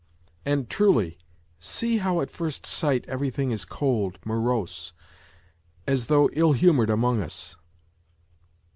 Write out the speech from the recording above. And, Wuly, see how^at first sight everything is cold, morose, as though ill humoured among us.